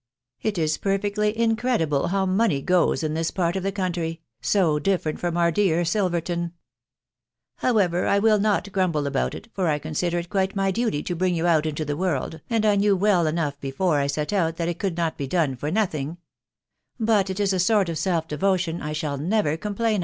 It. is perfectly incredible how money goes in this part of the country, so different from our dear SKlverton !.... However, I will not grumble about it, fbr I consider it quite my duty to bring you out into* the. world, and I knew welt enough before I set out that it could not be done for nothing: But it is a sort of self devotion I shall never complain.